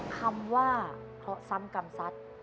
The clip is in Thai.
คำว่าเพราะซ้ำกำซัด